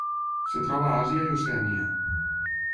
Es troba a Àsia i Oceania.